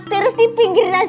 terus di pinggir nasi